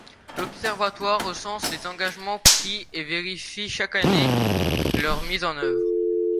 L'observatoire recense les engagements pris et vérifie, chaque année, leur mise en œuvre.